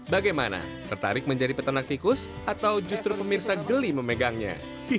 bagaimana tertarik menjadi peternak tikus atau justru pemirsa geli memegangnya